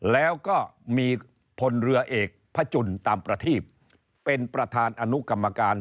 แล้วก็มีพลเรือเอกพระจุลตามประทีบเป็นประธานอนุกรรมการ